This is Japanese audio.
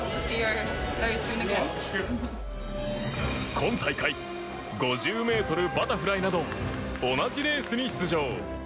今大会、５０ｍバタフライなど同じレースに出場。